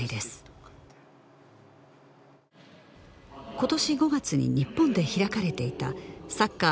今年５月に日本で開かれていたサッカー